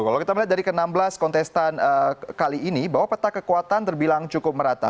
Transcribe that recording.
kalau kita melihat dari ke enam belas kontestan kali ini bahwa peta kekuatan terbilang cukup merata